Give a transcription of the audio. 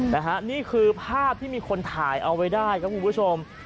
นะฮะนี่คือภาพที่มีคนถ่ายเอาไว้ได้ครับคุณผู้ชม